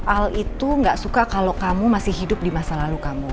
al itu gak suka kalau kamu masih hidup di masa lalu kamu